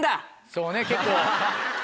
そうね結構。